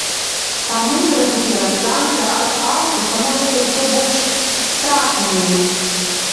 Таму, зразумела, сеансы арт-хаўсу становяцца ўсё больш стратнымі.